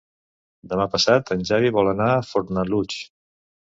Demà passat en Xavi vol anar a Fornalutx.